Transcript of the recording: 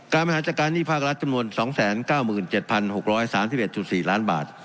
บริหารจัดการหนี้ภาครัฐจำนวน๒๙๗๖๓๑๔ล้านบาท